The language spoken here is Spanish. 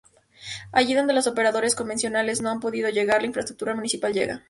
Allí donde las operadoras convencionales no han podido llegar, la infraestructura municipal llega.